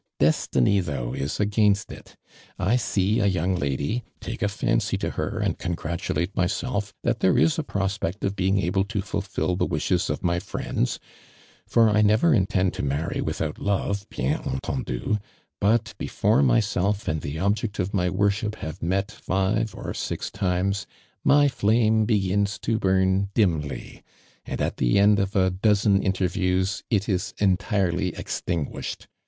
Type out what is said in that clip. Destiny, though, is against it ! I see a young lady — take a fancy to her and congratulate myself that there is a prospect of being able to fulfil the wishes of my friends, for I never intend to marry without love, bien entendn, but before my self and the object of my worship have met five or six times, my flame begins to burn dimly, and at the end ofa dozen inter views, it is entirely extinguished.